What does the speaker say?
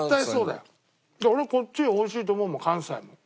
だから俺こっち美味しいと思うもん関西も。